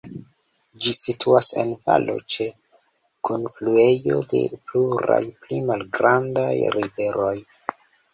Ĝi situas en valo ĉe kunfluejo de pluraj pli malgrandaj riveroj.